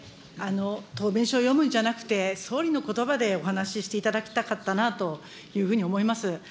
答弁書読むんじゃなくて、総理のことばでお話していただきたかったなというふうに思います。